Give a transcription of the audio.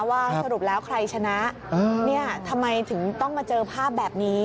ว่าสรุปแล้วใครชนะเนี่ยทำไมถึงต้องมาเจอภาพแบบนี้